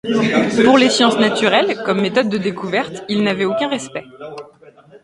Pour les sciences naturelles comme méthode de découverte, il n'avait aucun respect.